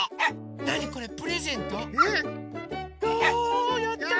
なにこれプレゼント？わやったね！